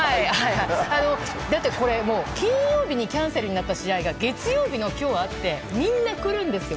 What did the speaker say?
だって、これ、金曜日にキャンセルになった試合が月曜日の今日あってみんな来るんですよ。